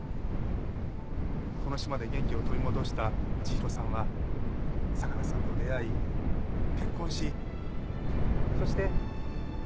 この島で元気を取り戻した千尋さんは相良さんと出会い結婚しそして波琉さんが生まれた。